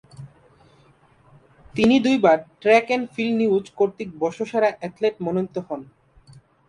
তিনি দুইবার track and field news কর্তৃক বর্ষসেরা অ্যাথলেট মনোনীত হন।